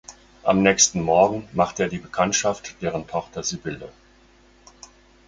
Am nächsten Morgen macht er die Bekanntschaft deren Tochter Sybille.